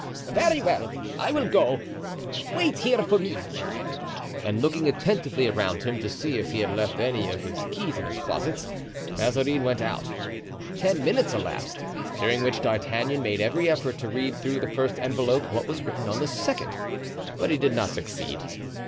"Very well; I will go. Wait here for me." And looking attentively around him, to see if he had left any of his keys in his closets, Mazarin went out. Ten minutes elapsed, during which D'Artagnan made every effort to read through the first envelope what was written on the second. But he did not succeed.